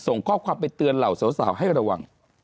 ส่งข้อความไปเตือนเหล่าสาวให้ระวัง